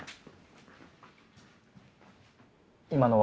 今のは？